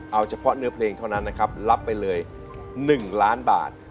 เอาเฉพาะเนื้อเพลงเท่านั้นนะครับรับไปเลย๑ล้านบาท